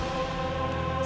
dia sudah ditangkap